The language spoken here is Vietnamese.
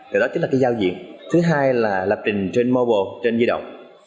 thứ đó chính là cái giao diện thứ hai là lập trình trên mobile trên di động